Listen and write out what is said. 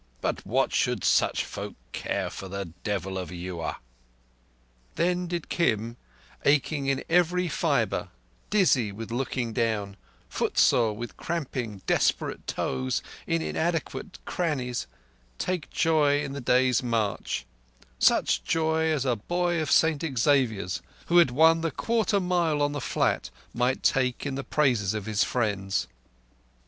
But what should such folk care for the Devil of Eua!" Then did Kim, aching in every fibre, dizzy with looking down, footsore with cramping desperate toes into inadequate crannies, take joy in the day's march—such joy as a boy of St Xavier's who had won the quarter mile on the flat might take in the praises of his friends.